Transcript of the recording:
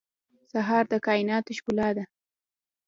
سهار د کایناتو ښکلا ده.